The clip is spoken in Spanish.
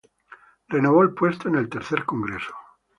Renovó el puesto en el tercer congreso.